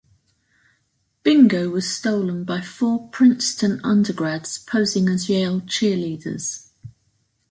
Bingo was stolen by four Princeton undergrads posing as Yale cheerleaders.